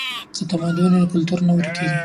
که تمدن وي نو کلتور نه ورکیږي.